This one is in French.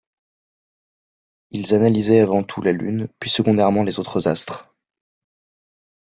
Ils analysaient avant tout la Lune, puis secondairement les autres astres.